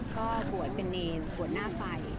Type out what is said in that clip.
ก็ประวัติเป็นเนรประวัติหน้าไฟ